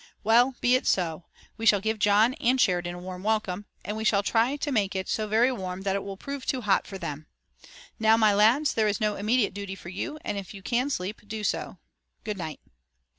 Well, be it so. We shall give John and Sheridan a warm welcome, and we shall try to make it so very warm that it will prove too hot for them. Now, my lads, there is no immediate duty for you, and if you can sleep, do so. Good night."